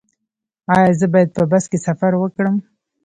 ایا زه باید په بس کې سفر وکړم؟